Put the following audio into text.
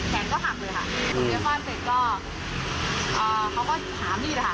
คือหาอาวุธใช่หาอาวุธตอนนี้มีมิดเล็กค่ะเหมือนมิดครับ